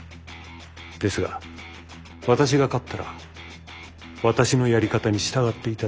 ですが私が勝ったら私のやり方に従って頂きます。